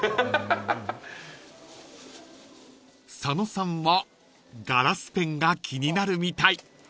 ［佐野さんはガラスペンが気になるみたい］